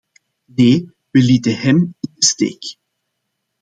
Nee, wij lieten hem in de steek!